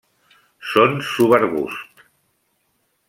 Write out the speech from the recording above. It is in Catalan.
Són subarbusts.